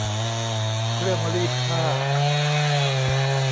เครื่องรีดผ้า